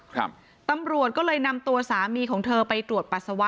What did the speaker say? ครับตำรวจก็เลยนำตัวสามีของเธอไปตรวจปัสสาวะ